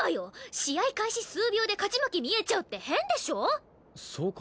試合開始数秒で勝ち負け見えちゃうって変でしょそうか？